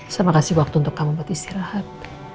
sama kasih waktu untuk kamu buat istirahat